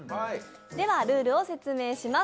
では、ルールを説明します。